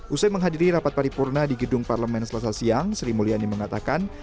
usai menghadiri rapat paripurna di gedung parlemen selasa siang sri mulyani mengatakan